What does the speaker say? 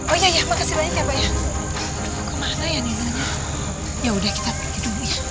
oh iya ya makasih banyak ya bayang